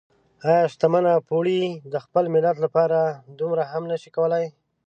ايا شتمنه پوړۍ د خپل ملت لپاره دومره هم نشي کولای؟